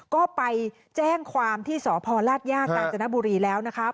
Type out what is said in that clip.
ก็ไปแจ้งความที่สพลาดย่ากาญจนบุรีแล้วนะคะ